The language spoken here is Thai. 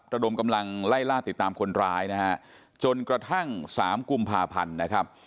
ระดมกำลังไล่ล่าติดตามคนร้ายนะฮะจนกระทั่งสามกุมภาพันธ์นะครับ